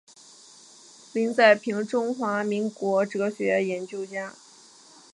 林宰平中华民国哲学研究家。